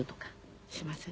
しませんね。